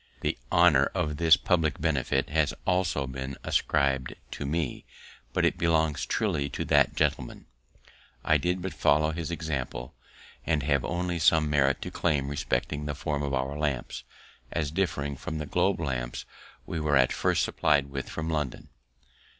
The honour of this public benefit has also been ascrib'd to me, but it belongs truly to that gentleman. I did but follow his example, and have only some merit to claim respecting the form of our lamps, as differing from the globe lamps we were at first supply'd with from London.